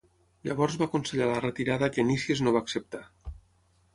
Llavors va aconsellar la retirada que Nícies no va acceptar.